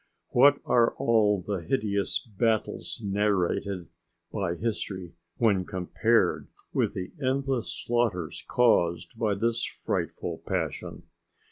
What are all the hideous battles narrated by history when compared with the endless slaughters caused by this frightful passion!